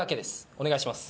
お願いします。